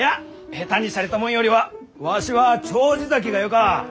下手にしゃれたもんよりはわしは丁子咲がよか！